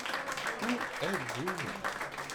Où êtes-vous ?